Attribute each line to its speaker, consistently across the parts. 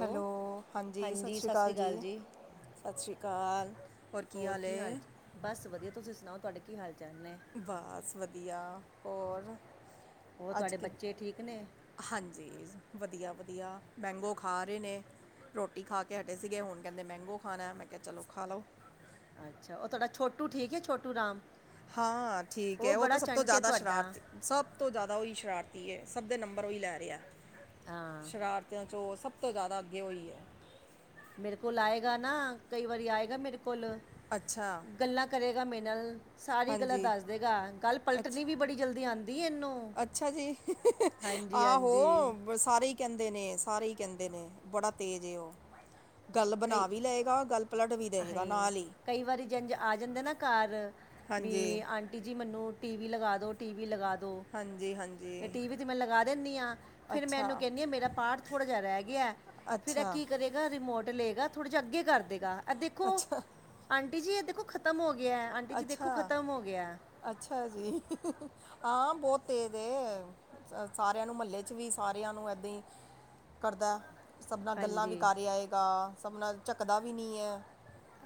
Speaker 1: Hello, ਹਾਂਜੀ ਸਸ਼ ਰੀ
Speaker 2: ਸਤਿ ਸ਼੍ਰੀ
Speaker 1: ਕਾਲ ਜੀ,
Speaker 2: ਅਕਾਲ
Speaker 1: ਸਸ਼ ਰੀ ਕਾਲ।
Speaker 2: ਹੋਰ ਕੀ ਹਾਲ ਚ, ਬਸ ਵਧੀਆ, ਤੁਸੀਂ ਸੁਣਾਓ ਤੁਹਾਡੇ ਕੀ ਹਾਲ- ਚਾਲ ਨੇ।
Speaker 1: ਬਾਸ ਵਧੀਆਂ, ਹੋਰ
Speaker 2: ਹੋਰ
Speaker 1: ਅੱਜ
Speaker 2: ਤੁਹਾਡੇ
Speaker 1: ਕਿ
Speaker 2: ਬੱਚੇ ਠੀਕ ਨੇ।
Speaker 1: ਹਾਂਜੀ, ਵਧੀਆ- ਵਧੀਆ ਮੈਂਗੋ ਖਾ ਰਹੇ ਨੇ। ਰੋਟੀ ਖਾ ਕੇ ਹਟੇ ਸੀਗੇ, ਹੁਣ ਕਹਿੰਦੇ ਮੈਂਗੋ ਖਾਣਾ, ਮੈਂ ਕਿਹਾ ਚਲੋ ਖਾ ਲੋ।
Speaker 2: ਅੱਛਾ, ਉਹ ਤੁਹਾਡਾ ਛੋਟੂ ਠੀਕ ਐ, ਛੋਟੂ ਰਾਮ।
Speaker 1: ਹਾਂ, ਠੀਕ ਐ, ਉਹ ਤਾਂ
Speaker 2: ਬੜਾ
Speaker 1: ਸਭ ਤੋਂ
Speaker 2: ਚੰਟ ਹੈ
Speaker 1: ਜਿਆਦਾ
Speaker 2: ਤੁਹਾਡਾ
Speaker 1: ਸ਼ਰਾਰਤੀ ਸਭ ਤੋਂ ਜਿਆਦਾ ਓਹੀ ਸ਼ਰਾਰਤੀ ਏ, ਸਭ ਦੇ ਨੰਬਰ ਓਹੀ ਲੈ ਰਿਐ,
Speaker 2: ਹਾਂ
Speaker 1: ਸ਼ਰਾਰ ਬੱਚਿਆਂ ਚੋਂ ਸਭ ਤੋਂ ਜਿਆਦਾ ਅੱਗੇ ਓਹੀ ਐ।
Speaker 2: ਮੇਰੇ ਕੋਲ ਆਏਗਾ ਨਾ, ਕਈ ਵਾਰੀ ਆਏਗਾ ਮੇਰੇ ਕੋਲ।
Speaker 1: ਅੱਛਾ।
Speaker 2: ਗੱਲਾਂ ਕਰੇਗਾ ਮੇਰੇ ਨਾਲ, ਸਾਰੀ ਗੱਲਾਂ
Speaker 1: ਹਾਂਜੀ
Speaker 2: ਦੱਸ ਦੇਗਾ, ਗੱਲ
Speaker 1: ਅੱਛਾ
Speaker 2: ਪਲਟਣੀ ਵੀ ਬੜੀ ਜਲਦੀ ਆਂਦੀ ਏ ਏਨੂੰ।
Speaker 1: ਅੱਛਾ ਜੀ, ਆਹੋ।
Speaker 2: ਹਾਂਜੀ
Speaker 1: ਵ ਸਾਰੇ ਈ ਕਹਿੰਦੇ ਨੇ, ਸਾਰੇ ਈ ਕਹਿੰਦੇ ਨੇ, ਬੜਾ ਤੇਜ਼ ਏ ਉਹ। ਗੱਲ
Speaker 2: ਕਈ
Speaker 1: ਬਣਾ ਵੀ ਲਏਗਾ ਗੱਲ ਪਲਟ ਵੀ ਦੇਵੇਗਾ
Speaker 2: ਹਾਏ,
Speaker 1: ਨਾਲ ਹੀ
Speaker 2: ਕਈ ਵਾਰੀ ਜੇੰਜ ਆ ਜਾਂਦੈ ਨਾ ਘਰ।
Speaker 1: ਹਾਂਜੀ
Speaker 2: ਵੀ ਆਂਟੀ ਜੀ ਮੈਨੂੰ ਟੀਵੀ ਲਗਾ ਦੋ, ਟੀਵੀ ਲਗਾ ਦੋ
Speaker 1: ਹਾਂਜੀ ਹਾਂਜੀ
Speaker 2: ਟੀ ਵੀ ਤੇ ਮੈਂ ਲਗਾ ਦੇਣੀ ਆਂ, ਫਿਰ ਮੈਂ ਇਹਨੂੰ
Speaker 1: ਅੱਛਾ
Speaker 2: ਕਹਿਣੀ ਆ ਮੇਰਾ ਪਾਠ ਥੋੜ੍ਹਾ ਜਾ ਰਹਿ ਗਿਐ।
Speaker 1: ਅੱਛਾ।
Speaker 2: ਰ ਰਿਮੋਟ ਲੇਗਾ, ਥੋੜਾ ਜਾ ਅੱਗੇ ਕਰ ਦੇਗਾ, ਐ ਦੇਖੋ
Speaker 1: ਅੱਛਾ
Speaker 2: ਆਂਟੀ ਜੀ, ਐ ਦੇਖੋ ਖ ਤਮ ਹੋ ਗਿਐ, ਆਂਟੀ ਜੀ ਦੇਖੋ
Speaker 1: ਅੱਛਾ
Speaker 2: ਖ਼ਤਮ ਹੋ ਗਿਐ।
Speaker 1: ਅੱਛਾ ਜੀ, ਹਾਂ ਬੌਤ ਤੇਜ ਏ। ਸ ਸਾਰਿਆਂ ਨੂੰ ਮੱਲੇ ਚ ਵੀ ਸਾਰਿਆਂ ਨੂੰ ਏਦਾਂ ਈ ਕਰਦਾ। ਸਭ ਨਾਲ ਗੱਲਾਂ ਵੀ
Speaker 2: ਹਾਂਜੀ
Speaker 1: ਕਰ ਆਏਗਾ, ਸਭ ਨਾਲ ਝਕਦਾ ਵੀ ਨੀ ਏ।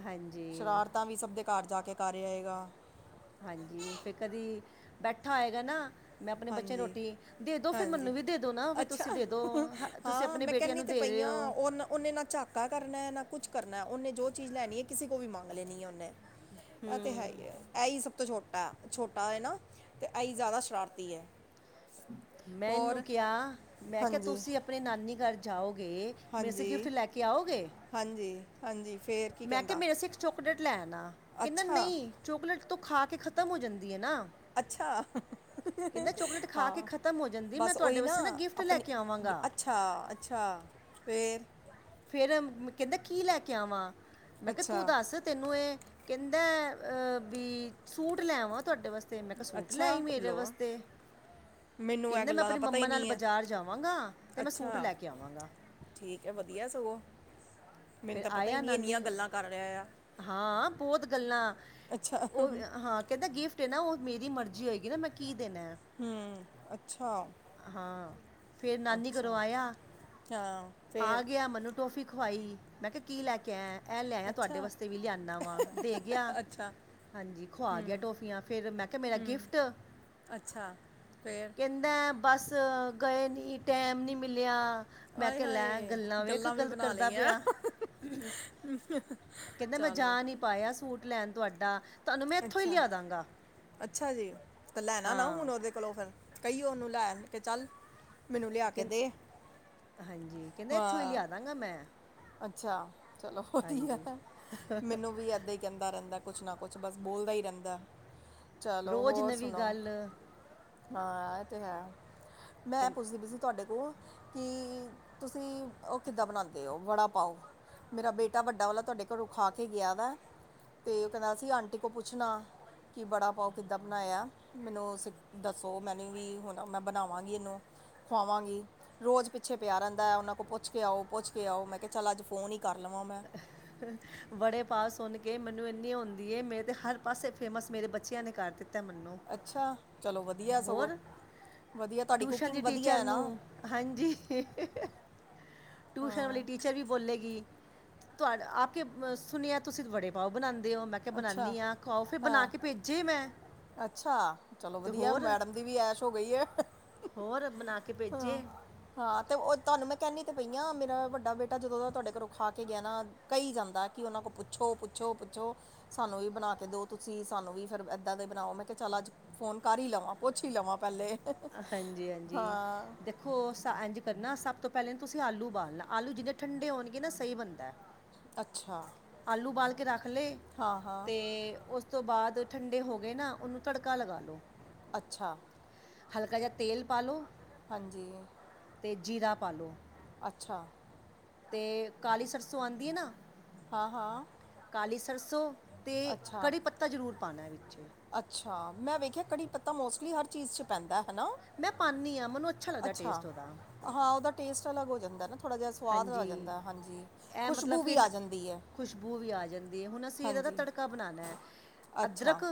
Speaker 2: ਹਾਂਜੀ
Speaker 1: ਸ਼ਰਾਰਤਾਂ ਵੀ ਸਭ ਦੇ ਘਰ ਜਾਂ ਕੇ ਕਰ ਆਏਗਾ।
Speaker 2: ਹਾਂਜੀ, ਫ਼ਿਰ ਕਦੀ ਬੈਠਾ ਹੋਏਗਾ ਨਾ ਮੈਂ ਆਪਣੇ ਬੱਚੇ ਦੀ
Speaker 1: ਹਾਂਜੀ
Speaker 2: ਰੋਟੀ ਦੇ, ਦੋ ਫੇਰ
Speaker 1: ਹਾਂਜੀ
Speaker 2: ਮੈਨੂੰ ਵੀ ਦੇ ਦੋ ਨਾ ਫੇਰ
Speaker 1: ਅੱਛਾ
Speaker 2: ਤੁਸੀਂ ਦੇ ਦੋ, ਹ ਤੁਸੀਂ
Speaker 1: ਹਾਂ
Speaker 2: ਅਪਣੀ
Speaker 1: ਮੈਂ
Speaker 2: ਬੇਟੀਆਂ
Speaker 1: ਕਹਿੰਦੀ
Speaker 2: ਨੂੰ
Speaker 1: ਤੇ
Speaker 2: ਦੇ ਰਹੇ
Speaker 1: ਪਈਆਂ
Speaker 2: ਹੋ
Speaker 1: ਔਨ ਔਨੇ ਨਾ ਝਾ ਕਾ ਕਰਨਾ ਨਾ ਕੁਛ ਕਰਨਾ। ਔਨੇ ਜੋ ਚੀਜ਼ ਲੈਣੀ ਏ ਕਿਸੇ ਕੋਲ ਵੀ ਮੰਗ ਲੈਣੀ ਏ ਔਨੇ। ਐ ਤੇ ਹੈ ਈ ਐ, ਐਈ ਸਭ ਤੋਂ ਛੋਟਾ, ਛੋਟਾ ਏ ਨਾ ਤੇ ਐਈ ਜਾਦਾ ਸ਼ਰਾਰਤੀ ਏ।
Speaker 2: ਮੈਂ ਐਨੂੰ ਕਿਆ, ਮੈਂ ਕਿਆ
Speaker 1: ਹਾਂਜੀ
Speaker 2: ਤੁਸੀਂ ਅਪਣੇ ਨਾਨੀ ਘਰ ਜਾਓਗੇ। ਮੇਰੇ ਸੇ ਗਿਫਟ
Speaker 1: ਹਾਂਜੀ
Speaker 2: ਲੈ ਕੇ ਆਓਗੇ।
Speaker 1: ਹਾਂਜੀ। ਹਾਂਜੀ, ਫੇਰ। ਕੀ
Speaker 2: ਮੈਂ ਕਿਆ
Speaker 1: ਕਹਿੰਦਾ
Speaker 2: ਮੇਰੇ ਸੇ ਇੱਕ ਚੋਕਲੇਟ ਲੈ ਆਣਾ, ਕੈੰਦਾ
Speaker 1: ਅੱਛਾ
Speaker 2: ਨਹੀਂ। ਚੋਕਲੇਟ ਤੋਂ ਖਾ ਕੇ ਖ਼ਤਮ ਹੋ ਜਾਂਦੀ ਏਨਾ।
Speaker 1: ਅੱਛਾ।
Speaker 2: ਖਾ ਕੇ
Speaker 1: ਹਾਂ,
Speaker 2: ਖਤਮ ਹੋ ਜਾਂਦੀ ਮੈਂ
Speaker 1: ਬਸ ਓਹੀ
Speaker 2: ਤੁਹਾਡੇ
Speaker 1: ਨਾ
Speaker 2: ਵਾਸਤੇ ਗਿਫਟ ਲੈ
Speaker 1: ਅਪਣੀ,
Speaker 2: ਕੇ ਆਵਾਂਗਾ
Speaker 1: ਅੱਛਾ ਹਾਂ, ਅੱਛਾ ਫੇਰ।
Speaker 2: ਫੇਰ ਮ ਕੈੰਦੈ ਕੀ ਲੈ ਕੇ ਆਵਾਂ? ਮੈਂ ਕਿਆ ਤੂੰ
Speaker 1: ਅੱਛਾ
Speaker 2: ਦੱਸ। ਤੈਨੂੰ ਏ, ਕਹਿੰਦਾ ਅਹ ਬੀ ਸੂਟ ਲੈਵਾਂ ਤੁਹਾਡੇ ਵਾਸ ਤੇ ਮੈਂ ਕਿਹਾ ਸੂਟ ਲੈ ਆਈ
Speaker 1: ਅੱਛਾ
Speaker 2: ਮੇਰੇ
Speaker 1: ਲੋ
Speaker 2: ਵਸਤੇ।
Speaker 1: ਮੈਨੂੰ ਇਹ
Speaker 2: ਕਹਿੰਦਾ ਮੈਂ
Speaker 1: ਗੱਲਾਂ ਦਾ
Speaker 2: ਅਪਣੀ
Speaker 1: ਪਤਾ ਹੀ
Speaker 2: ਮੰਮਾ ਨਾਲ
Speaker 1: ਨਹੀਂ ਹੈ
Speaker 2: ਬਾਜ਼ਾਰ ਜਾਵਾਂਗਾ ਤੇ ਮੈਂ ਸੂਟ
Speaker 1: ਅੱਛਾ
Speaker 2: ਲੈ ਕੇ ਆਵਾਂਗਾ।
Speaker 1: ਠੀਕ ਐ ਵਧੀਆ ਸਗੋਂ, ਮੈਨੂੰ
Speaker 2: ਫਿਰ
Speaker 1: ਤਾਂ ਪਤਾ ਈ
Speaker 2: ਆਇਆ
Speaker 1: ਨੀ ਇੰਨੀਆਂ
Speaker 2: ਨਾਨੀ
Speaker 1: ਗੱਲਾਂ ਕਰ ਰਿਹਾ ਆ।
Speaker 2: ਹਾਂ, ਬੌਤ ਗੱਲਾਂ।
Speaker 1: ਅੱਛਾ
Speaker 2: ਓਹ ਹਾਂ ਕੈੰਦਾ ਗਿਫਟ ਟੇ ਨਾ ਔਹ ਮੇਰੀ ਮਰਜ਼ੀ ਹੋਏਗੀ ਨਾ ਮੈਂ ਕੀ ਦੇਣਾ।
Speaker 1: ਹੂੰ, ਅੱਛਾ।
Speaker 2: ਹਾਂ, ਫੇਰ ਨਾਨੀ ਘਰੋਂ
Speaker 1: ਅੱਛਾ
Speaker 2: ਆਇਆਂ,
Speaker 1: ਹਾਂ
Speaker 2: ਆ
Speaker 1: ਫੇਰ
Speaker 2: ਗਿਆ ਮਨੂੰ ਟੋਫੀ ਖਵਾਈ, ਮੈਂ ਕਿਹਾ ਕੀ ਲੈ ਕੇ ਆਇਆ? ਇਹ ਲਿਆਵਾ ਤੁਹਾਡੇ
Speaker 1: ਅੱਛਾ
Speaker 2: ਵਾਸਤੇ ਵੀ ਲਿਆਣਾ ਵਾ, ਦੇ ਗਿਆ।
Speaker 1: ਅੱਛਾ
Speaker 2: ਹਾਂਜੀ, ਖੁਆ ਗਿਆ ਟੋਫੀਆਂ। ਫੇਰ ਮੈਂ ਕਿਆ ਮੇਰਾ ਗਿਫਟ।
Speaker 1: ਅੱਛਾ, ਫੇਰ?
Speaker 2: ਕੈੰਦਾ, ਬੱਸ ਗਏ ਨੀ। ਈ ਟੈਮ ਨੀ ਮਿਲਿਆ। ਮੈਂ
Speaker 1: ਆਏ
Speaker 2: ਕਿਹਾ ਲੈ
Speaker 1: ਹਾਏ
Speaker 2: ਗੱਲਾਂ ਵੇਖ
Speaker 1: ਵੀ
Speaker 2: ਗਲ
Speaker 1: ਬਣਾ
Speaker 2: ਕਰਦਾ
Speaker 1: ਲਈਆਂ
Speaker 2: ਪਿਆ। ਹੂੰ, ਕੈੰਦਾ ਮੈਂ ਜਾ
Speaker 1: ਚਲੋ
Speaker 2: ਨੀ ਪਾਇਆ ਸੂਟ ਲੈਣ ਤੁਹਾਡਾ। ਤੁਹਾਨੂੰ ਮੈਂ ਇੱਥੋਂ ਹੀ
Speaker 1: ਅੱਛਾ,
Speaker 2: ਲਿਆ ਦਾਂਗਾ
Speaker 1: ਅੱਛਾ ਜੀ। ਤਾਂ ਲੈਣਾ ਨਾ
Speaker 2: ਹਾਂ
Speaker 1: ਹੁਣ ਓਹਦੇ ਕੋਲੋ ਫਿਰ ਕਈ ਉਹਨੂੰ ਲੈਨ ਚੱਲ। ਮੈਨੂੰ ਲਿਆ ਕੇ
Speaker 2: ਕਹਿੰ-
Speaker 1: ਦੇ, ਹਾਂ।
Speaker 2: ਕਹਿਣਾ ਮੈਂ।
Speaker 1: ਅੱਛਾ। ਚਲੋ ਵਧੀਆ
Speaker 2: ਹਾਂਜੀ
Speaker 1: ਏ, ਮੈਨੂੰ ਵੀ ਇੱਦਾਂ ਕਹਿੰਦਾ ਰਹਿੰਦਾ ਕੁਛ ਨਾ ਕੁਛ ਬਸ ਬੋਲਦਾ ਹੀ ਰਹਿੰਦਾ। ਚਲੋ
Speaker 2: ਰੋਜ਼
Speaker 1: ਹੋਰ
Speaker 2: ਨਵੀਂ
Speaker 1: ਸੁਣਾਓ।
Speaker 2: ਗੱਲ
Speaker 1: ਹਾਂ ਇਹ ਤੇ ਹੈ, ਮੈਂ
Speaker 2: ਕਹਿੰ-
Speaker 1: ਪੁੱਛਦੀ ਪਈ ਸੀ ਤੁਹਾਡੇ ਕੋਲ ਕਿ ਤੁਸੀਂ ਉਹ ਕਿੱਦਾਂ ਬਣਾਂਦੇ ਹੋ ਬੜਾ ਪਾਓ, ਮੇਰਾ ਬੇਟਾ ਵੱਡਾ ਵਾਲਾ ਤੁਹਾਡੇ ਘਰੋਂ ਖਾ ਕੇ ਗਿਆ ਵਾ। ਤੇ ਉਹ ਕਹਿੰਦਾ ਸੀ, ਆਂਟੀ ਕੋਲ ਪੁੱਛਣਾ ਕਿ ਬੜਾ ਪਾਓ ਕਿੱਦਾਂ ਬਣਾਇਆ ਮੈਨੂੰ। ਦੱਸੋ ਮੈਨੂੰ ਵੀ ਹੁਣ ਮੈਂ ਬਣਾਵਾਂਗੀ ਮੈਂ ਇਹਨੂੰ। ਖਵਾਵਾਂਗੀ ਰੋਜ਼ ਪਿੱਛੇ ਪਿਆ ਰਹਿੰਦਾ ਐ, ਉਹਨਾਂ ਕੋਲ ਪੁੱਛ ਕੇ ਆਓ, ਪੁੱਛ ਕੇ ਆਓ ਮੈਂ ਕਿਹਾ ਚੱਲ ਅੱਜ ਫੋਨ ਹੀ ਕਰ ਲਵਾਂ ਮੈਂ।
Speaker 2: ਬੜੇ ਪਾ ਸੁਣ ਕੇ ਮੈਨੂੰ ਇੰਨੀ ਹੁੰਦੀ ਐ, ਮੇਰੇ ਹਰ ਪਾਸੇ ਫੇਮਸ ਮੇਰੇ ਬੱਚਿਆਂ ਨੇ ਕਰ ਦਿੱਤੇ। ਤਾਂ ਮੈਨੂੰ।
Speaker 1: ਅੱਛਾ, ਚਲੋ ਵਧੀਆ ਸਗੋਂ।
Speaker 2: ਹੋਰ
Speaker 1: ਵਧੀਆ ਤੁਹਾਡੀ
Speaker 2: ਟਿਊਸ਼ਨ ਦੀ
Speaker 1: ਕੁਕਿੰਗ ਵਧੀਆ
Speaker 2: ਟੀਚਰ
Speaker 1: ਹੈ
Speaker 2: ਨੂੰ
Speaker 1: ਨਾ
Speaker 2: ਹਾਂਜੀ। ਟੂਸ਼ਨ ਵਾਲੀ ਟੀਚਰ ਵੀ। ਬੋਲੇਗੀ ਤੁਹਾਡ ਆ ਕੇ ਸੁਣਿਐ ਤੁਸੀਂ ਵੜੇ ਪਾਓ ਬਣਾਦੇ ਔ, ਮੈਂ। ਕੇ
Speaker 1: ਅੱਛਾ
Speaker 2: ਬਣਾਨੀ ਆਂ, ਖਵਾਔ ਫਿਰ ਬਣਾ
Speaker 1: ਹਾਂ
Speaker 2: ਕੇ ਭੇਜੇ ਮੈਂ।
Speaker 1: ਅੱਛਾ, ਚਲੋ
Speaker 2: ਤੇ
Speaker 1: ਵਧੀਆ
Speaker 2: ਹੋਰ
Speaker 1: ਮੈਡਮ ਦੀ ਵੀ ਐਸ਼ ਹੋ ਗਈ ਐ।
Speaker 2: ਹੋਰ ਬਣਾ ਕੇ ਭੇਜੇ।
Speaker 1: ਹਾਂ ਤੇ ਉਹ ਤੁਹਾਨੂੰ ਮੈਂ ਕਹਿੰਦੀ ਤਾਂ ਪਈ ਹਾਂ ਮੇਰਾ ਵੱਡਾ ਬੇਟਾ ਜਦੋਂ ਦਾ ਤੁਹਾਡੇ ਘਰੋਂ ਖਾ ਕੇ ਗਿਆ ਨਾ। ਕਹੀ ਜਾਂਦਾ ਕਿ ਉਹਨਾਂ ਕੋਲ ਪੁੱਛੋ ਪੁੱਛੋ ਪੁੱਛੋ। ਸਾਨੂੰ ਵੀ ਬਣਾ ਕੇ ਦਿਓ ਤੁਸੀਂ ਸਾਨੂੰ ਵੀ ਫਿਰ ਏਦਾਂ ਦੇ ਬਣਾਓ ਮੈਂ ਕਿਹਾ ਚੱਲ ਅੱਜ। ਫੋਨ ਕਰ ਹੀ ਲਵਾਂ ਪੁੱਛ ਹੀ ਲਵਾਂ ਪਹਿਲੇ।
Speaker 2: ਹਾਂਜੀ ਹਾਂਜੀ
Speaker 1: ਹਾਂ
Speaker 2: ਦੇਖ। ਇੰਝ ਕਰਨਾ ਸਭ ਤੋਂ ਪਹਿਲਾਂ ਤੁਸੀਂ ਆਲੂ ਉਬਾਲਣਾ ਆਲੂ ਜਿੰਨੇ ਠੰਡੇ ਹੋਣਗੇ ਨਾ ਸਹੀ ਬਣਦਾ।
Speaker 1: ਅੱਛਾ।
Speaker 2: ਆਲੂ ਉਬਾਲ ਕੇ ਰੱਖ ਲੈ
Speaker 1: ਹਾਂ ਹਾਂ
Speaker 2: ਅਤੇ ਉਸ। ਉਸ ਤੋਂ ਬਾਅਦ ਠੰਡੇ ਹੋ ਗਏ ਨਾ ਉਹਨੂੰ ਤੜਕਾ ਲਗਾ ਲੋੋ।
Speaker 1: ਅੱਛਾ।
Speaker 2: ਹਲਕਾ ਜਿਹਾ ਤੇਲ ਪਾ ਲਓ।
Speaker 1: ਹਾਂਜੀ।
Speaker 2: ਤੇ ਜ਼ੀਰਾ ਪਾ ਲਓ।
Speaker 1: ਅੱਛਾ।
Speaker 2: ਤੇ ਕਾਲੀ ਸਰਸੋਂ ਆਉਂਦੀ ਹੈ ਨਾ।
Speaker 1: ਹਾਂ ਹਾਂ।
Speaker 2: ਕਾਲੀ ਸਰਸੋਂ ਅਤੇ
Speaker 1: ਅੱਛਾ
Speaker 2: ਕੜ੍ਹੀ ਪੱਤਾ ਜ਼ਰੂਰ ਪਾਉਣਾ ਵਿੱਚ।
Speaker 1: ਅੱਛਾ ਮੈਂ ਵੇਖਿਆ ਕੜੀ ਪੱਤਾ ਮੋਸਟਲੀ ਹਰ ਚੀਜ਼ ਚ ਪੈਂਦਾ ਹੈਨਾ।
Speaker 2: ਮੈਂ ਪਾਨੀ ਹਾਂ ਮੈਨੂੰ। ਲੱਗਦਾ
Speaker 1: ਅੱਛਾ
Speaker 2: ਟੇਸਟ ਉਹਦਾ
Speaker 1: ਹਾਂ, ਉਹਦਾ ਟੇਸਟ ਅਲੱਗ ਹੋ ਜਾਂਦਾ ਨਾ। ਥੋੜ੍ਹਾ ਜਿਹਾ ਸਵਾਦ ਆ
Speaker 2: ਹਾਂਜੀ
Speaker 1: ਜਾਂਦਾ ਹਾਂਜੀ
Speaker 2: ਇਹ ਮਤਲਬ
Speaker 1: ਖੁਸ਼ਬੂ
Speaker 2: ਫਿਰ
Speaker 1: ਵੀ ਆ
Speaker 2: ਨਾ
Speaker 1: ਜਾਂਦੀ ਹੈ।
Speaker 2: ਖੁਸ਼ਬੂ ਵੀ ਆ ਜਾਂਦੀ ਹੈ। ਹੁਣ ਅਸੀਂ ਇਹਦਾ
Speaker 1: ਹਾਂਜੀ
Speaker 2: ਤੜਕਾ ਬਣਾਉਦੇ ਆ
Speaker 1: ਅੱਛਾ
Speaker 2: ਅਦਰਕ।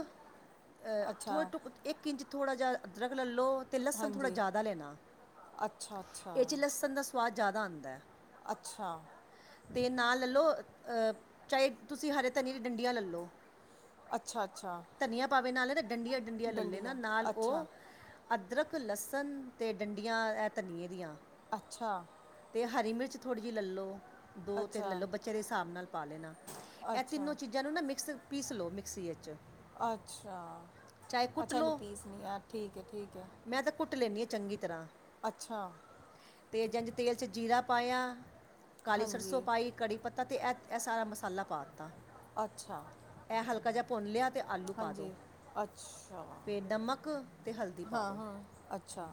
Speaker 2: ਅਹ
Speaker 1: ਅੱਛਾ
Speaker 2: ਥੋੜ੍ਹਾ ਇੱਕ ਇੰਚ ਥੋੜਾ ਜਿਹਾ ਅਦਰਕ ਲੈਲੋ। ਤੇ ਲੱਸਣ ਥੋੜਾ
Speaker 1: ਹਾਂਜੀ
Speaker 2: ਜ਼ਿਆਦਾ ਲੈਣਾ,
Speaker 1: ਅੱਛਾ ਅੱਛਾ
Speaker 2: ਇਹ 'ਚ ਲਸਣ ਦਾ ਸਵਾਦ ਜ਼ਿਆਦਾ ਆਉਦਾ।
Speaker 1: ਅੱਛਾ।
Speaker 2: ਦੇ ਨਾਲ ਲੈ ਲਓ ਚਾਹੇ ਤੁਸੀਂ ਹਰੇ ਧਨੀਏ ਦੀ ਡੰਡੀਆਂ ਲੈ ਲਉ।
Speaker 1: ਅੱਛਾ ਅੱਛਾ
Speaker 2: ਧਨੀਆ ਭਾਵੇ ਨਾ ਲੇ ਨਾ ਡੰਡੀਆਂ ਡੰਡੀਆਂ ਲੱਲੇ ਨਾ ਨਾਲ ਉਹ। ਅਦਰਕ, ਲਸਣ ਤੇ ਡੰਡੀਆਂ, ਐਹ ਧਨੀਏ ਦੀਆਂ
Speaker 1: ਅੱਛਾ
Speaker 2: ਤੇ ਹਰੀ ਮਿਰਚ ਥੋੜ੍ਹੀ ਜਿਹੀ ਲੈ ਲਓ, ਦੋ -ਤਿੰਨ ਲੈ
Speaker 1: ਅੱਛਾ
Speaker 2: ਲਓ, ਬਚਿਆ ਦੇ ਹਿਸਾਬ ਨਾਲ ਪਾ ਲੈਣਾ, ਇਹ ਤਿੰਨੋ
Speaker 1: ਅੱਛਾ
Speaker 2: ਚੀਜ਼ਾਂ ਇਹਨੂੰ ਨਾ ਮਿਕਸ ਪੀਸ ਲਓ ਮਿਕਸੀ ਵਿੱਚ।
Speaker 1: ਅੱਛਾ-
Speaker 2: ਚਾਹੇ ਕੁੱਟ
Speaker 1: ਅੱਛਾ ਇਹਨੂੰ
Speaker 2: ਲਓ
Speaker 1: ਪੀਸ ਨੀ, ਆ ਠੀਕ ਹੈ- ਠੀਕ ਹੈ।
Speaker 2: ਮੈਂ ਤਾਂ ਕੁੱਟ ਲੈਂਦੀ ਹਾਂ ਚੰਗੀ ਤਰ੍ਹਾਂ।
Speaker 1: ਅੱਛਾ।
Speaker 2: ਤੇ ਜੰਜ ਤੇਲ 'ਚ ਜੀਰਾ ਪਾਇਆ, ਕਾਲੀ ਸਰਸੋਂ
Speaker 1: ਹਾਂਜੀ
Speaker 2: ਪਾਈ ਕੜੀ ਪੱਤਾ ਤੇ ਐਹ, ਐਹ ਸਾਰਾ ਮਸਾਲਾ ਪਾ ਦਿੱਤਾ
Speaker 1: ਅੱਛਾ
Speaker 2: ਇਹ ਹਲਕਾ ਜਿਹਾ ਭੁੰਨ ਲਿਆ ਤੇ ਆਲੂ ਪਾ ਦੋ,
Speaker 1: ਹਾਂਜੀ
Speaker 2: ਫਿਰ ਨਮਕ ਤੇ ਹਲਦੀ ਪਾ
Speaker 1: ਹਾਂ-
Speaker 2: ਦਿਓ
Speaker 1: ਹਾਂ ਅੱਛਾ,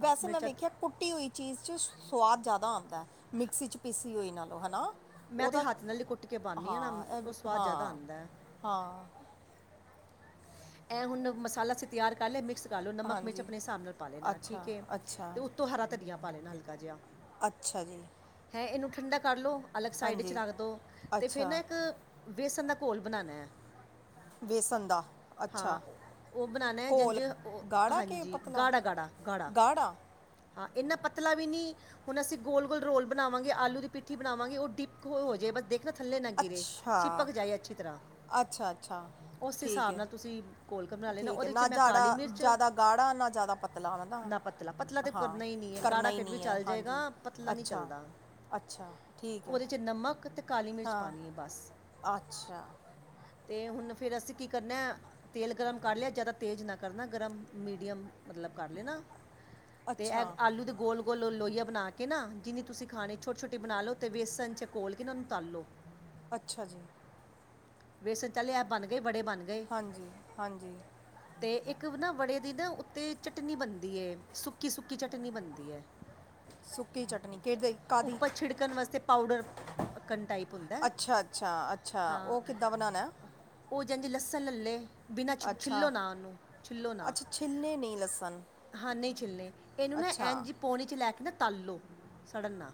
Speaker 2: ਬਸ
Speaker 1: ਮੈਂ
Speaker 2: ਮਿਰਚਾਂ ਤੇ-
Speaker 1: ਵੇਖਿਆ ਕੁੱਟੀ ਹੋਈ ਚੀਜ਼ 'ਚ ਸਵਾਦ ਜ਼ਿਆਦਾ ਆਉਂਦਾ ਹੈ, ਮਿਕਸੀ 'ਚ ਪੀਸੀ ਹੋਈ ਨਾਲੋਂ, ਹਨਾ
Speaker 2: ਮੈਂ ਤੇ
Speaker 1: ਉਹਦਾ
Speaker 2: ਹੱਥ ਨਾਲ ਹੀ ਕੁੱਟ ਕੇ ਪਾਉਂਦੀ ਹਾਂ ਨਾ ਉਹ ਸਵਾਦ ਜ਼ਿਆਦਾ ਆਉਂਦਾ ਐ
Speaker 1: ਹਾਂ
Speaker 2: ਐਂ, ਹੁਣ ਮਸਾਲਾ ਅਸੀਂ ਤਿਆਰ ਕਰ ਲਿਆ। ਮਿਕਸ ਕਰ ਲੋ ਨਮਕ ਮਿਰਚ
Speaker 1: ਹਾਂਜੀ
Speaker 2: ਆਪਣੇ ਹਿਸਾਬ ਨਾਲ ਪਾ ਲੈਣਾ
Speaker 1: ਅੱਛਾ
Speaker 2: ਠੀਕ ਐ
Speaker 1: ਅੱਛਾ
Speaker 2: ਅਤੇ ਤੂੰ ਹਰਾ ਧਨੀਆ ਪਾ ਲੈਣਾ ਹਲਕਾ ਜਿਹਾ
Speaker 1: ਅੱਛਾ ਜੀ
Speaker 2: ਹੈਂ ਇਹਨੂੰ ਠੰਡਾ ਕਰ ਲਉ। ਅਲੱਗ ਸਾਈਡ ਵਿੱਚ
Speaker 1: ਹਾਂਜੀ
Speaker 2: ਰੱਖ ਲਉ ਤੇ ਫਿਰ ਨਾ
Speaker 1: ਅੱਛਾ
Speaker 2: ਇੱਕ। ਵੇਸਣ ਦਾ ਘੋਲ ਬਣਾਉਣਾ ਹੈ।
Speaker 1: ਵੇਸਣ ਦਾ।
Speaker 2: ਹਾਂ
Speaker 1: ਅੱਛਾ
Speaker 2: ਉਹ ਬਣਾਉਣਾ ਹੈ ਜੰਝ
Speaker 1: ਘੋਲ
Speaker 2: ਉਹ
Speaker 1: ਗਾੜਾ ਕਿ
Speaker 2: ਹਾਂਜੀ
Speaker 1: ਪਤਲਾ
Speaker 2: ਗਾੜਾ ਗਾੜਾ ਗਾੜਾ। ਹਾਂ ਇੰਨਾ ਪਤਲਾ ਵੀ ਨਹੀਂ। ਹੁਣ ਅਸੀਂ ਗੋਲ- ਗੋਲ ਰੋਲ ਬਣਾਵਾਂਗੇ, ਆਲੂ ਦੀ ਪਿੱਠੀ ਬਣਾਵਾਂਗੇ, ਉਹ ਡਿਪ ਹੋ ਜੇ ਬ ਦੇ ਨਾ ਥੱਲੇ ਨਾ ਗਿਰੇ,
Speaker 1: ਅੱਛਾ
Speaker 2: ਚਿਪਕ ਜਾਏ ਅੱਛੀ ਤਰ੍ਹਾਂ,
Speaker 1: ਅੱਛਾ ਅੱਛਾ
Speaker 2: ਉਸ
Speaker 1: ਠੀਕ
Speaker 2: ਹਿਸਾਬ
Speaker 1: ਹੈ
Speaker 2: ਨਾਲ ਤੁਸੀਂ ਘੋਲਕੇ ਬਣਾ ਲੈ ਨਾ,
Speaker 1: ਠੀਕ ਹੈ
Speaker 2: ਉਹਦੇ 'ਚ ਮੈਂ ਕਾਲੀ
Speaker 1: ਜਾੜਾ
Speaker 2: ਮਿਰਚ,
Speaker 1: ਜ਼ਿਆਦਾ ਗਾੜਾ ਨਾ ਜ਼ਿਆਦਾ ਪਤਲਾ ਹੈ ਨਾ
Speaker 2: ਨਮਕ ਪਤਲਾ ਤੇ
Speaker 1: ਹਾਂ
Speaker 2: ਕਰਨਾ ਹੀ ਨਹੀਂ ਹੈ।
Speaker 1: ਕਰਨਾ
Speaker 2: ਗਾੜਾ
Speaker 1: ਹੀ
Speaker 2: ਫਿਰ ਵੀ
Speaker 1: ਨਹੀਂ ਹੈ
Speaker 2: ਚੱਲ
Speaker 1: ਹਾਂਜੀ
Speaker 2: ਜਾਏਗਾ, ਪਤਲਾ ਨਹੀਂ
Speaker 1: ਅੱਛਾ
Speaker 2: ਚੱਲਦਾ।
Speaker 1: ਅੱਛਾ ਠੀਕ ਹੈ
Speaker 2: ਉਹਦੇ 'ਚ ਨਮਕ ਤੇ ਕਾਲੀ ਮਿਰਚ
Speaker 1: ਹਾਂ
Speaker 2: ਪਾਉਣੀ ਏ ਬਸ,
Speaker 1: ਅੱਛਾ
Speaker 2: ਤੇ ਹੁਣ ਫੇਰ ਅਸੀਂ ਕੀ ਕਰਨਾ ਤੇਲ ਗਰਮ ਕਰ ਲਿਆ, ਜ਼ਿਆਦਾ ਤੇਜ਼ ਨਾ ਕਰਨਾ ਗਰਮ, ਮੀਡੀਅਮ। ਮਤਲਬ ਕਰ ਲੈ ਨਾ, ਤੇ ਇਹ
Speaker 1: ਅੱਛਾ
Speaker 2: ਆਲੂ ਦੇ ਗੋਲ ਲੋ ਲੋਹੀਆ ਬਣਾ ਕੇ ਨਾ, ਜਿੰਨੀ ਤੁਸੀਂ ਖਾਣੇ, ਛੋਟੀ -ਛੋਟੀ ਬਣਾ ਲਉ ਤੇ ਬੇਸਨ 'ਚ ਘੋਲ ਕੇ ਨਾ ਉਹਨਾਂ ਨੂੰ ਤਲ ਲਓ
Speaker 1: ਅੱਛਾ ਜੀ
Speaker 2: ਵੇਸਣ ਚੱਲ, ਐਹ ਬਣ ਗਏ ਬੜੇ ਬਣ ਗਏ
Speaker 1: ਹਾਂਜੀ, ਹਾਂਜੀ
Speaker 2: ਤੇ ਇੱਕ ਨਾ ਵੜੇ ਦੀ ਨਾ ਉੱਤੇ, ਚਟਨੀ ਬਣਦੀ ਹੈ, ਸੁੱਕੀ- ਸੁੱਕੀ ਚਟਨੀ ਬਣਦੀ ਹੈ
Speaker 1: ਸੁੱਕੀ ਚਟਨੀ [unintelligible] ਕਾਹਦੀ
Speaker 2: ਛਿੜਕਣ ਵਾਸਤੇ ਪਾਊਡਰ ਕੰਨ ਟਾਈਪ ਹੁੰਦਾ ਹੈ।
Speaker 1: ਅੱਛਾ, ਅੱਛਾ, ਅੱਛਾ ਉਹ ਕਿੱਦਾਂ ਬਨਾਣਾ।
Speaker 2: ਓ ਜੇ ਲੱਸਣ ਲੈਲੇ ਬਿਨਾਂ ਛ ਛਿੱਲੋ
Speaker 1: ਅੱਛਾ
Speaker 2: ਨਾ ਓਨੂੰ ਛਿੱਲੋ ਨਾ।
Speaker 1: ਅੱਛਾ ਛਿੱਲਣੇ ਨਹੀਂ ਲਸਣ
Speaker 2: ਹਾਂ ਨਹੀਂ ਛਿੱਲਣੇ ਇਹਨੂੰ ਨਾ
Speaker 1: ਅੱਛਾ
Speaker 2: ਇਂਜ ਈ ਪਾਉਣੀ 'ਚ ਲੈ ਕੇ ਨਾ ਤਲ ਲੋ ਸੜਨ ਨਾਲ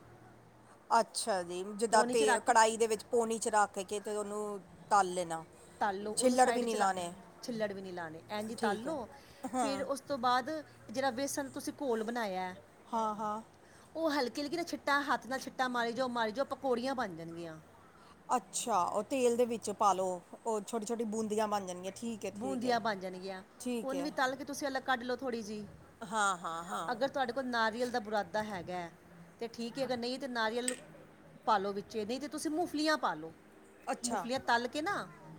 Speaker 1: ਅੱਛਾ ਜੀ ਜਿੱਦਾਂ ਤੇਲ ਕੜਾਈ ਦੇ ਵਿੱਚ ਪੋਣੀ ਚ ਰੱਖ ਕੇ ਤੇ ਉਹਨੂੰ ਤਲ ਲੈਣਾ
Speaker 2: ਤਲ ਲੋ ਉਹਨੂੰ
Speaker 1: ਛਿੱਲੜ ਵੀ
Speaker 2: ਸਾਈਡ
Speaker 1: ਨਹੀਂ
Speaker 2: ਚ
Speaker 1: ਲਾਉਣੇ
Speaker 2: ਛਿੱਲੜ ਵੀ ਨੀ ਲਾਉਣੇ ਐਂ ਜੀ ਤਲ
Speaker 1: ਠੀਕ ਹੈ
Speaker 2: ਲੋ ਫਿਰ ਉਸ ਉਸ ਤੋਂ ਬਾਅਦ ਜਿਹੜਾ ਵੇਸਣ ਤੁਸੀਂ ਘੋਲ ਬਣਾਇਆ ਐ
Speaker 1: ਹਾਂ ਹਾਂ
Speaker 2: ਉਹ ਹਲਕੀ ਹਲਕੀ ਨਾ ਛਿੱਟਾ ਹੱਥ ਨਾਲ ਛਿੱਟਾ ਮਾਰੀ ਜਾਓ ਮਾਰੀ ਜਾਓ ਪਕੌੜੀਆਂ ਬਣ ਜਾਣਗੀਆਂ
Speaker 1: ਅੱਛਾ ਉਹ ਤੇਲ ਦੇ ਵਿੱਚ ਪਾ ਲੋ ਉਹ ਛੋਟੀ ਛੋਟੀ ਬੂੰਦੀਆਂ ਬਣ ਜਾਣਗੀਆਂ ਠੀਕ ਹੈ ਠੀਕ ਹੈ
Speaker 2: ਬੂੰਦੀਆਂ ਬਣ ਜਾਣਗੀਆਂ
Speaker 1: ਠੀਕ
Speaker 2: ਉਹਨੂੰ
Speaker 1: ਹੈ
Speaker 2: ਵੀ ਤਲ ਕੇ ਤੁਸੀਂ ਅਲੱਗ ਕੱਢ ਲਓ ਥੋੜ੍ਹੀ ਜਿਹੀ
Speaker 1: ਹਾਂ ਹਾਂ ਹਾਂ
Speaker 2: ਅਗਰ ਤੁਆਡੇ ਕੋਲ ਨਾਰੀਅਲ ਦਾ ਬੁਰਾਦਾ ਹੈਗਾ, ਐ ਤੇ ਠੀਕ ਏ ਅਗਰ ਨਈਤੇ ਨਾਰੀਅਲ ਪਾਾਲੋ ਵਿੱਚ ਨਹੀਂ ਤੇ ਤੁਸੀਂ ਮੂੰਗਫਲੀਆਂ ਪਾਲੋ
Speaker 1: ਅੱਛਾ
Speaker 2: ਮੁਗਫਲੀਆਂ ਤਲ ਕੇ ਨਾ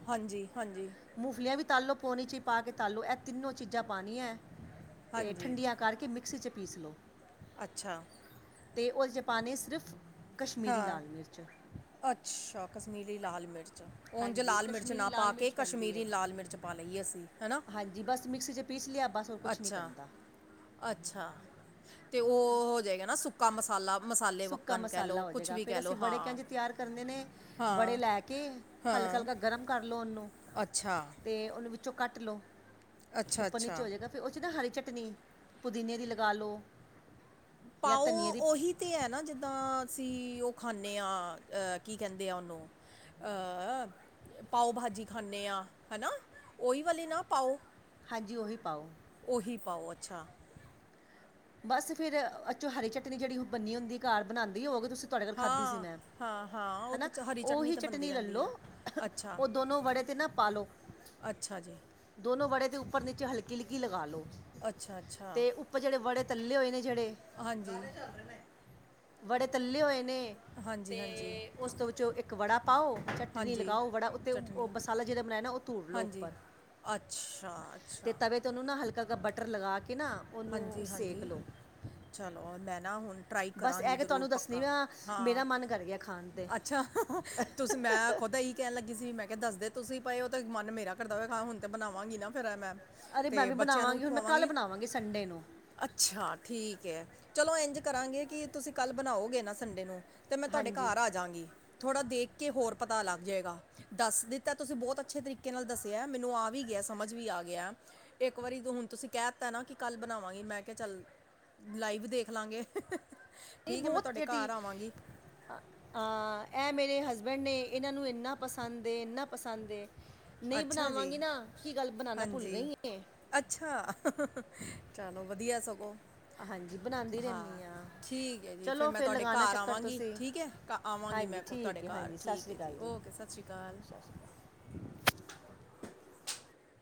Speaker 1: ਹਾਂਜੀ ਹਾਂਜੀ
Speaker 2: ਮੂੰਗਫਲੀਆਂ ਵੀ ਤਲ ਲੋ ਪੋਣੀ ਚ ਪਾ ਕੇ ਤਲੋ ਇਹ ਤਿੰਨੋਂ ਚੀਜ਼ਾਂ ਪਾਉਣੀਆਂ ਅਤੇ ਇਹ
Speaker 1: ਹਾਂਜੀ
Speaker 2: ਠੰਡੀਆਂ ਕਰਕੇ ਮਿਕਸੀ 'ਚ ਪੀਸ ਲਉ
Speaker 1: ਅੱਛਾ
Speaker 2: ਅਤੇ ਉਹਦੇ ਚ ਪਾਉਣੇ ਸਿਰਫ ਕਸ਼ਮੀਰੀ
Speaker 1: ਹਾਂ
Speaker 2: ਲਾਲ ਮਿਰਚ
Speaker 1: ਅੱਛਾ ਕਸ਼ਮੀਰੀ ਲਾਲ ਮਿਰਚ। ਉੰਝ
Speaker 2: ਹਾਂਜੀ
Speaker 1: ਲਾਲ ਮਿਰਚ
Speaker 2: ਕਸ਼ਮੀਰੀ
Speaker 1: ਨਾ ਪਾ
Speaker 2: ਲਾਲ
Speaker 1: ਕੇ
Speaker 2: ਮਿਰਚ ਪੈਂਦੀ
Speaker 1: ਕਸ਼ਮੀਰੀ
Speaker 2: ਹੈ
Speaker 1: ਲਾਲ ਮਿਰਚ ਪਾ ਲਈਏ ਅਸੀ।
Speaker 2: ਹਾਂਜੀ ਬਸ ਮਿਕਸੀ ਚ ਪੀਸ ਲਿਆ ਬਸ। ਹੋਰ ਕੁਝ ਨਹੀਂ
Speaker 1: ਅੱਛਾ,
Speaker 2: ਪੈਂਦਾ
Speaker 1: ਅੱਛਾ ਅਤੇ ਉਹ ਹੋ ਜਾਏਗਾ ਨਾ ਸੁੱਕਾ ਮਸਾਲਾ। ਮਸਾਲੇ
Speaker 2: ਸੁੱਕਾ
Speaker 1: ਵੱਕਣ ਕਹਿ
Speaker 2: ਮਸਾਲਾ
Speaker 1: ਲਓ
Speaker 2: ਹੋ
Speaker 1: ਕੁਛ
Speaker 2: ਜਾਏਗਾ
Speaker 1: ਵੀ
Speaker 2: ਫੇਰ
Speaker 1: ਕਹਿ ਲਓ
Speaker 2: ਅਸੀਂ ਵੜੇ ਕਹਿ
Speaker 1: ਹਾਂ
Speaker 2: ਕੇ ਤਿਆਰ ਕਰਨੇ ਨੇ ਵੜੇ
Speaker 1: ਹਾਂ
Speaker 2: ਲੈ ਕੇ ਹਲਕਾ, ਹਲਕਾ। ਗਰਮ ਕਰ ਲਓ ਉਹਨੂੰ।
Speaker 1: ਅੱਛਾ।
Speaker 2: ਅਤੇ ਉਹਨੂੰ ਵਿੱਚੋਂ ਕੱਟ ਲਉ
Speaker 1: ਅੱਛਾ
Speaker 2: ਉੱਪਰ ਨੀਚੇ
Speaker 1: ਅੱਛਾ
Speaker 2: ਹੋ ਜਾਵੇਗਾ। ਫਿਰ ਉਹ 'ਚ ਨਾ ਹਰੀ ਚਟਨੀ ਪੁਦੀਨੇ ਦੀ ਲਗਾ ਲਉ।
Speaker 1: ਪਾਓ ਉਹੀ। ਤੇ ਹੈ ਨਾ ਜਿੱਦਾਂ ਅਸੀਂ ਉਹ ਖਾਂਦੇ ਹਾਂ ਅਹ ਕੀ ਕਹਿੰਦੇ ਆ ਉਹਨੂੰ। ਆ ਪਾਓ ਭਾਜੀ ਖਾਂਨੇ ਆ, ਹੈਨਾ ਉਓਹੀ ਵਾਲੇ ਨਾ ਪਾਓ
Speaker 2: ਹਾਂਜੀ ਉਹੀ ਪਾਓ
Speaker 1: ਉਹੀ ਪਾਓ ਅੱਛਾ।
Speaker 2: ਬਸ ਫੇਰ ਅਚੋਂ ਹਰੀ ਚਟਨੀ ਜਿਹੜੀ ਉਹ ਬਨੀ ਹੁੰਦੀ ਆ ਘਰ ਬਣਾਉਂਦੀ ਹੋ ਗੇ ਤੁਸੀਂ ਤੁਹਾਡੇ ਕੋਲ ਖਾਧੀ ਸੀ
Speaker 1: ਹਾਂ
Speaker 2: ਮੈਂ
Speaker 1: ਹਾਂ ਹਾਂ
Speaker 2: ਹੈ
Speaker 1: ਉਹ
Speaker 2: ਨਾ
Speaker 1: ਤੇ ਚ- ਹਰੀ
Speaker 2: ਉਹੀ
Speaker 1: ਤਾਂ ਬੰਦੀ
Speaker 2: ਚਟਨੀ ਲੈ
Speaker 1: ਰਹਿੰਦੀ
Speaker 2: ਲਉ
Speaker 1: ਹੈ ਅੱਛਾ
Speaker 2: ਉਹ ਦੋਨੋ ਵੜੇ ਤੇ ਨਾ ਪਾਲੋ
Speaker 1: ਅੱਛਾ ਜੀ।
Speaker 2: ਦੋਨੋ ਬੜੇ ਦੇ ਉੱਪਰ ਨੀਚੇ, ਹਲਕੀ ਹਲਕੀ ਲਗਾ ਲੋ
Speaker 1: ਅੱਛਾ, ਅੱਛਾ।
Speaker 2: ਪਰ ਜਿਹੜੇ ਬੜੇ ਤੱਲੇ ਹੋਏ ਨੇ, ਜਿਹੜੇ
Speaker 1: ਹਾਂਜੀ
Speaker 2: ਬੜੇ ਤੱਲੇ ਹੋਏ ਨੇ
Speaker 1: ਹਾਂਜੀ
Speaker 2: ਤੇ
Speaker 1: ਹਾਂਜੀ
Speaker 2: ਉਸ ਤੋਂ ਵਿੱਚੋਂ ਇੱਕ ਵੜਾ ਪਾਓ, ਚੱਟਨੀ
Speaker 1: ਹਾਂਜੀ
Speaker 2: ਲਗਾਓ ਵੜਾ ਉੱਤੇ ਉਹ
Speaker 1: ਚਟਨੀ
Speaker 2: ਬ ਮਸਾਲਾ ਜਿਹੜੇ ਬਨਾਯਾ ਨਾ, ਔ ਧੁੜ ਲੋ
Speaker 1: ਹਾਂਜੀ
Speaker 2: ੳਪਰ,
Speaker 1: ਅੱਛਾ
Speaker 2: ਤੇ
Speaker 1: ਅੱਛਾ
Speaker 2: ਤਵੇ ਤਾਂ ਉਹਨੂੰ ਨਾ, ਹਲਕਾ ਹਲਕਾ ਬਟਰ ਲਗਾ ਕੇ ਨਾ ਉਹਨੂੰ
Speaker 1: ਹਾਂਜੀ,
Speaker 2: ਸੇਕ
Speaker 1: ਹਾਂਜੀ,
Speaker 2: ਲਓ
Speaker 1: ਚਲੋ ਮੈਂ ਨਾ ਹੁਣ ਟਰਾਈ
Speaker 2: ਬਸ
Speaker 1: ਕਰਾਂਗੀ,
Speaker 2: ਇਹ ਕਿ
Speaker 1: ਜ਼ਰੂਰ
Speaker 2: ਤੁਹਾਨੂੰ ਦੱਸਣੀ
Speaker 1: ਪੱਕਾ
Speaker 2: ਵਾ
Speaker 1: ਹਾਂ
Speaker 2: ਮੇਰਾ ਮਨ ਕਰ ਗਿਆ, ਖਾਣ ਤੇ
Speaker 1: ਅੱਛਾ, ਤੁਸੀ ਮੈਂ ਖੁਦਾ ਹੀ ਕਹਿਣ ਲੱਗੀ ਸੀ, ਮੈਂ ਕਿਹਾ ਦੱਸਦੇ ਤੁਸੀਂ ਭਏ ਉਹ ਤੇ, ਮਨ ਮੇਰਾ ਕਰਦਾ ਹੋ ਹੁਣ ਤੇ ਬਣਾਵਾਂਗੀ ਨਾ ਫਿਰ ਮੈਂ
Speaker 2: ਅਰੇ ਮੈਂ
Speaker 1: ਤੇ
Speaker 2: ਵੀ
Speaker 1: ਬੱਚਿਆਂ ਨੂੰ
Speaker 2: ਬਣਾਵਾਂਗੀ, ਹੁਣ ਮੈਂ ਕੱਲ੍ਹ
Speaker 1: ਖਵਾਵਾਂਗੀ
Speaker 2: ਬਣਾਵਾਂਗੀ ਸੰਡੇ ਨੂੰ
Speaker 1: ਅੱਛਾ ਠੀਕ ਹੈ, ਚਲੋ ਇੰਝ ਕਰਾਂਗੇ, ਕਿ ਤੁਸੀਂ ਕੱਲ ਬਣਾਓਗੇ ਨਾ ਸੰਡੇ ਨੂੰ ਤੇ ਮੈਂ ਤੁਹਾਡੇ
Speaker 2: ਹਾਂਜੀ
Speaker 1: ਘਰ ਆ ਜਾਂਗੀ, ਥੋੜ੍ਹਾ ਦੇਖ ਕੇ ਹੋਰ ਪਤਾ ਲੱਗ ਜਾਯੇਗਾ। ਦੱਸ ਦਿੱਤਾ, ਤੁਸੀਂ ਬਹੁਤ ਅੱਛੇ ਤਰੀਕੇ ਨਾਲ ਦੱਸਿਆ, ਮੈਨੂੰ ਆ ਵੀ ਗਿਆ ਸਮਝ ਵੀ ਆ ਗਿਆ। ਇੱਕ ਵਾਰੀ ਹੁਣ ਤੁਸੀਂ ਕਹਿ ਦਿੱਤਾ ਨਾ ਕਿ ਕੱਲ੍ਹ ਬਣਾਵਾਂਗੀ, ਮੈਂ ਕਿਹਾ ਚੱਲ ਲਾਈਵ ਦੇਖਲਾਗੇ,
Speaker 2: ਨਹੀਂ
Speaker 1: ਠੀਕ ਹੈ, ਮੈਂ
Speaker 2: ਬਹੁਤ
Speaker 1: ਤੁਹਾਡੇ
Speaker 2: ਜਿਹੜੀ
Speaker 1: ਘਰ ਆਵਾਂਗੀ।
Speaker 2: ਹਾਂ, ਇਹ ਮੇਰੇ ਹਸਬੈਂਡ ਨੇ, ਇਹਨਾਂ ਨੂੰ ਇੰਨਾ ਪਸੰਦ ਏ, ਇੰਨਾ ਪਸੰਦ ਏ ਨਹੀਂ
Speaker 1: ਅੱਛਾ ਜੀ
Speaker 2: ਬਣਾਵਾਂਗੇ ਨਾ ਕੀ, ਗੱਲ ਬਣਾਾਨਾ ਭੁੱਲ
Speaker 1: ਹਾਂਜੀ
Speaker 2: ਗਈ ਏ
Speaker 1: ਅੱਛਾ, ਚਲੋ ਵਧੀਆ ਸਗੋਂ।
Speaker 2: ਹਾਂਜੀ ਬਣਾਉਂਦੀ
Speaker 1: ਹਾਂ,
Speaker 2: ਰਹਿੰਦੀ
Speaker 1: ਠੀਕ ਹੈ ਜੀ, ਫਿਰ
Speaker 2: ਚਲੋ
Speaker 1: ਮੈਂ ਤੁਹਾਡੇ
Speaker 2: ਲਗਾਉਣਾ
Speaker 1: ਘਰ
Speaker 2: ਚੱਕਰ
Speaker 1: ਆਵਾਂਗੀ,
Speaker 2: ਤੁਸੀਂ
Speaker 1: ਠੀਕ ਹੈ ਘ ਆਵਾਂਗੀ
Speaker 2: ਹਾਂਜੀ
Speaker 1: ਮੈਂ ਕੋ ਤੁਹਾਡੇ
Speaker 2: ਠੀਕ ਹੈ
Speaker 1: ਘਰ,
Speaker 2: ਹਾਂਜੀ ਸਤਿ
Speaker 1: ਠੀਕ
Speaker 2: ਸ਼੍ਰੀ
Speaker 1: ਹੈ ਜੀ,
Speaker 2: ਅਕਾਲ
Speaker 1: ਔ ਕੇ ਸਤਿ ਸ਼੍ਰੀ ਅਕਾਲ।
Speaker 2: ਸ਼੍ਰੀ ਅਕਾਲ